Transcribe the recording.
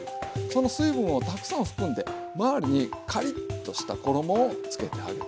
その水分をたくさん含んで周りにカリッとした衣をつけて揚げる。